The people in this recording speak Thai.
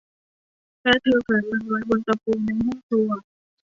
และเธอแขวนมันไว้บนตะปูในห้องครัว